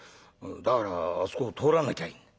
「だからあそこを通らなきゃいいんだ」。